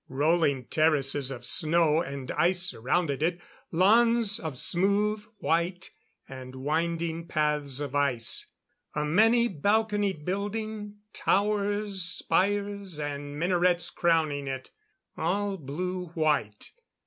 Rolling terraces of snow and ice surrounded it lawns of smooth white, with winding paths of ice. A many balconied building; towers, spires and minarets crowning it. All blue white.